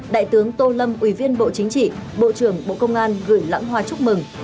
đại tướng tô lâm ủy viên bộ chính trị bộ trưởng bộ công an gửi lãng hoa chúc mừng